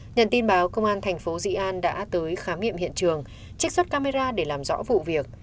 nhận tin báo công an thành phố dị an đã tới khám nghiệm hiện trường trích xuất camera để làm rõ vụ việc